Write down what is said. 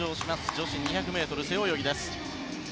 女子２００ｍ背泳ぎです。